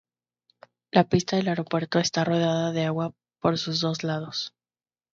La pista del aeropuerto está rodeada de agua por sus dos lados.